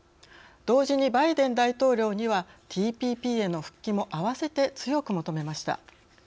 同時にバイデン大統領にはＴＰＰへの復帰もあわせて強く求めました。